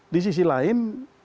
di sisi lain